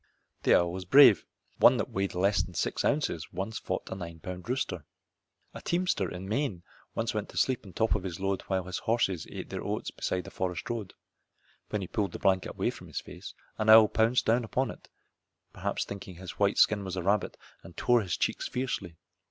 The owl is brave. One that weighed less than six ounces once fought a nine pound rooster. A teamster in Maine once went to sleep on top of his load while his horses ate their oats beside a forest road. When he pulled the blanket away from his face an owl pounced down upon it, perhaps thinking his white skin was a rabbit, and tore his cheeks fiercely.